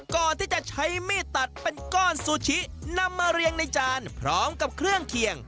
ก่อนที่จะใช้มีดตัดเป็นก้อนซูชินำมาเรียงในจานพร้อมกับเครื่องเคียง